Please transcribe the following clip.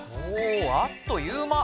おあっという間。